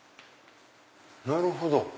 なるほど！